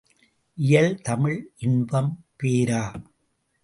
இயல் தமிழ் இன்பம் பேரா.